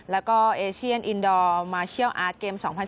แล้วก็เอเชียนอินดอร์มาเชียลอาร์ตเกม๒๐๑๖